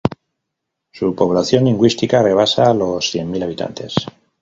Su población lingüística rebasa los cien mil hablantes.